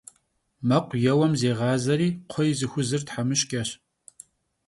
Mekhu yêuem zêğazeri kxhuêy zıxuzır themışç'eş.